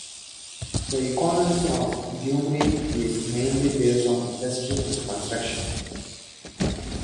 The economy of Gyumri is mainly based on industry and construction.